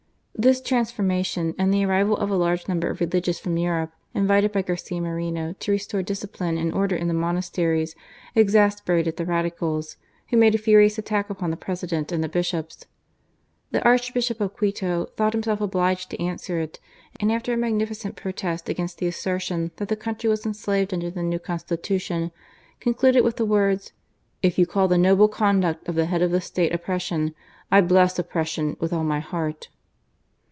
, This transformation, and the arrival of a large, number of religious from Europe, invited by Garcia Moreno to restore discipline and order in the monasteries, exasperated the Radicals, who made a furious attack upon the President and the Bishops, The Archbishop of Quito thought himself obliged to answer it, and after a magnificent protest against the assertion that the country was enslaved under the new Constitution, concluded with the words :" If you call the noble conduct of the head of the State oppression, I bless oppression with all my heart